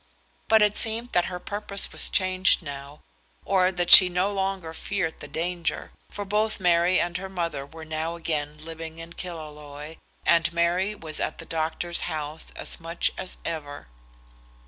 But it seemed that her purpose was changed now, or that she no longer feared the danger, for both Mary and her mother were now again living in Killaloe, and Mary was at the doctor's house as much as ever.